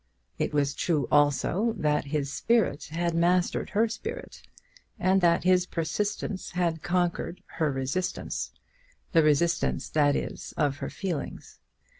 It was true also that his spirit had mastered her spirit, and that his persistence had conquered her resistance, the resistance, that is, of her feelings.